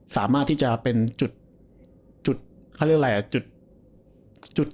สามารถที่จะเป็นจุดเขาเรียกอะไรอ่ะจุดจุด